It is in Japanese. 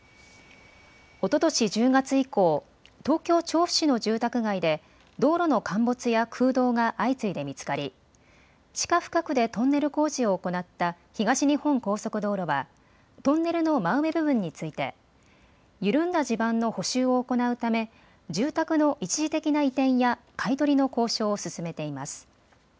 おととし１０月以降、東京調布市の住宅街で道路の陥没や空洞が相次いで見つかり、地下深くでトンネル工事を行った東日本高速道路はトンネルの真上部分について緩んだ地盤の補修を行うため住宅の一時的な移転や買い取りの交渉を進めています。